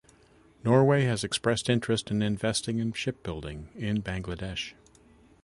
Norway has expressed interest in investing in shipbuilding in Bangladesh.